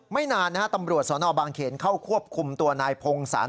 ไม่นานนะฮะตำรวจสนบางเขนเข้าควบคุมตัวนายพงศาล